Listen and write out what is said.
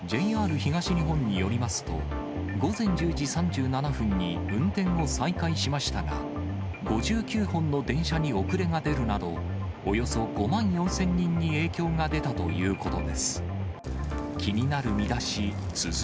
ＪＲ東日本によりますと、午前１０時３７分に運転を再開しましたが、５９本の電車に遅れが出るなど、およそ５万４０００人に影響が出たということです。